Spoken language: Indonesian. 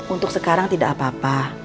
untuk sekarang tidak apa apa